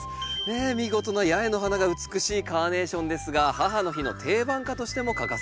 ねえ見事な八重の花が美しいカーネーションですが母の日の定番花としても欠かせませんよね。